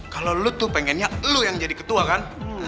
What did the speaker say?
kalo lo tuh pengennya lo yang jadi ketua kan